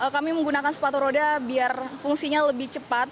kami menggunakan sepatu roda biar fungsinya lebih cepat